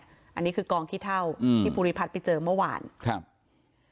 อันนี้คือกองขี้เท่าอืมที่ภูริพัฒน์ไปเจอเมื่อวานครับ